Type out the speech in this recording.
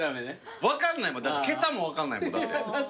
桁も分かんないもんだって。